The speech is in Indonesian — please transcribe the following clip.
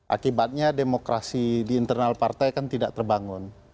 akibatnya demokrasi di internal partai kan tidak terbangun